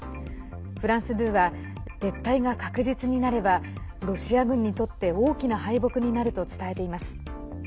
フランス２は撤退が確実になればロシア軍にとって大きな敗北になると伝えています。